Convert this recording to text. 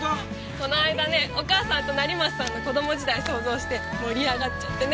この間ねお母さんと成増さんの子供時代想像して盛り上がっちゃってね。